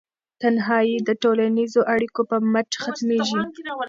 تنهایي د ټولنیزو اړیکو په مټ ختمیږي.